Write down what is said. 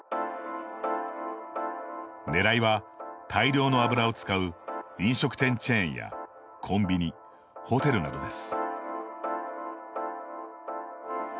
ねらいは大量の油を使う飲食店チェーンやコンビニホテルなどです。